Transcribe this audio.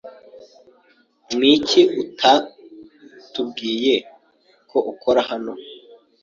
Niki utatubwiye ko ukora hano?